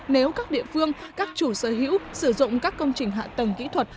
nếu các địa phương các chủ sở hữu sử dụng các công trình hạ tầng kỹ thuật